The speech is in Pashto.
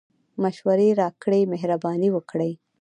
مشوري راکړئ مهربانی وکړئ